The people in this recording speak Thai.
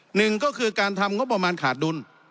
หนึ่งก็คือการทำงบประมาณขาดดุล